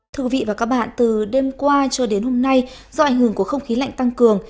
thưa quý vị và các bạn từ đêm qua cho đến hôm nay do ảnh hưởng của không khí lạnh tăng cường